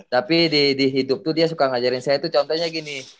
tapi di hidup tuh dia suka ngajarin saya itu contohnya gini